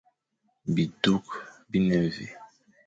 Bi duk bi ne vé ?